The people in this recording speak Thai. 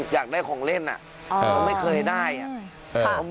อยากได้ของเล่นอ่ะก็ไม่เคยได้อ่ะ